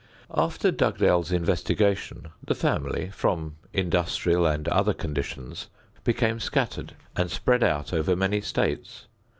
After Dugdale's investigation the family, from industrial and other conditions, became scattered and spread out over many states.